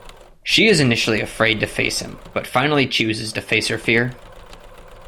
She is initially afraid to face him, but finally chooses to face her fear.